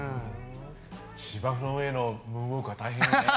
芝生の上のムーンウォークは大変よね。